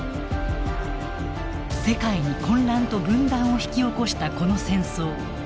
世界に混乱と分断を引き起こしたこの戦争。